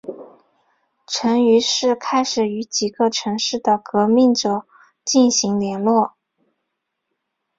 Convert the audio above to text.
陈于是开始与几个城市的革命者进行联络。